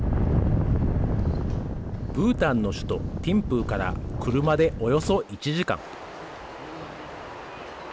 ブータンの首都ティンプーから車でおよそ１時間。